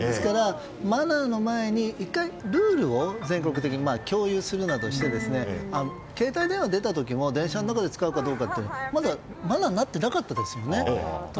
マナーの前に１回ルールを全国的に共有するなどして携帯電話が出た時も電車の中で使うかどうかはマナーになってなかったですよね。